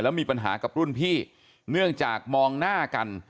แล้วมีปัญหากับรุ่นพี่เนื่องจากมองหน้ากัน